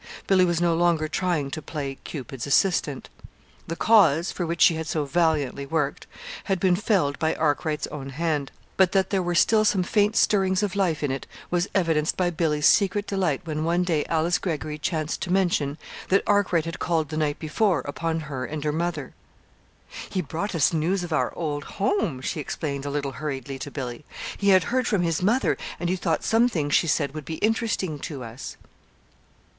Billy was no longer trying to play Cupid's assistant. The Cause, for which she had so valiantly worked, had been felled by Arkwright's own hand but that there were still some faint stirrings of life in it was evidenced by Billy's secret delight when one day Alice Greggory chanced to mention that Arkwright had called the night before upon her and her mother. "He brought us news of our old home," she explained a little hurriedly, to Billy. "He had heard from his mother, and he thought some things she said would be interesting to us."